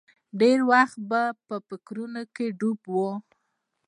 ډېر وخت به په فکرونو کې ډوب و.